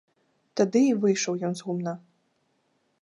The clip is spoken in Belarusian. Тады і выйшаў ён з гумна.